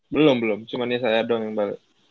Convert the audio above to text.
belum belum cuman ini saya dong yang balik